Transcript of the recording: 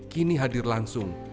kini hadir langsung